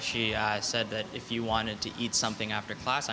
dia bilang kalau kamu mau makan sesuatu setelah kelas saya tahu